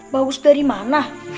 bagus dari mana